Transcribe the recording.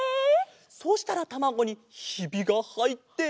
そうしたらたまごにひびがはいって。